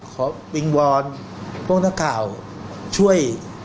วิงวอนพวกนักข่าวช่วย